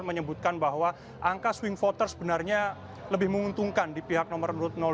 menyebutkan bahwa angka swing voter sebenarnya lebih menguntungkan di pihak nomor dua